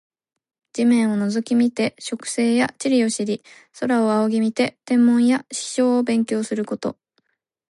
地面を覗き見て植生や地理を知り、空を仰ぎ見て天文や気象を勉強すること。